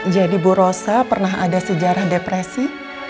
jadi bu rosa pernah ada sejarah depresi